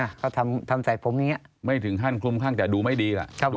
เขาทำทำใส่ผมอย่างเงี้ยไม่ถึงขั้นคลุมข้างแต่ดูไม่ดีล่ะครับผม